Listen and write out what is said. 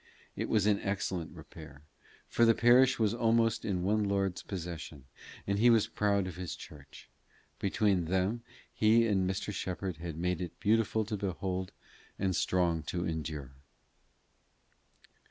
It was in excellent repair, for the parish was almost all in one lord's possession, and he was proud of his church: between them he and Mr. Shepherd had made it beautiful to behold and strong to endure.